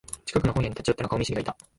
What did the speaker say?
近くの本屋に寄ったら顔見知りがいた